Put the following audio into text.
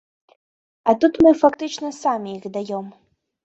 А тут мы фактычна самі іх даём.